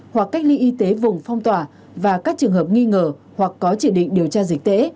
hoặc cách ly y tế vùng phong tỏa và các trường hợp nghi ngờ hoặc có chỉ định điều tra dịch tễ